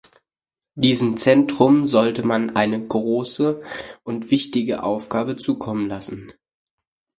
Diesem Zentrum sollte man eine große und wichtige Aufgabe zukommen lassen.